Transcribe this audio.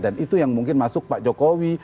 dan itu yang mungkin masuk pak jokowi